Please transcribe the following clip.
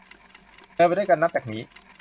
เดินไปด้วยกันนับจากนี้